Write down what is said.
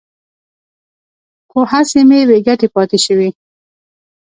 خو هڅې مې بې ګټې پاتې شوې.